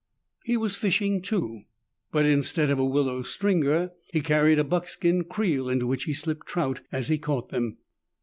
He was fishing, too, but instead of a willow stringer he carried a buckskin creel into which he slipped trout as he caught them.